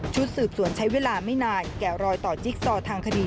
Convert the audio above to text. สืบสวนใช้เวลาไม่นานแก่รอยต่อจิ๊กซอทางคดี